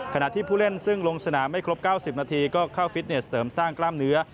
ขณะที่ผู้เล่นซึ่งลงสนามไม่ครบ๙๐นาทีก็เข้าฟิตเนสเสริมสร้างกล้ามเนื้อ